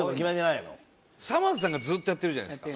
さまぁずさんがずっとやってるじゃないですか。